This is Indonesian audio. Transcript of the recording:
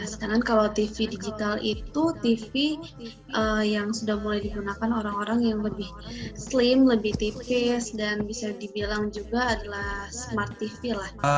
sekarang kalau tv digital itu tv yang sudah mulai digunakan orang orang yang lebih slam lebih tipis dan bisa dibilang juga adalah smart tv lah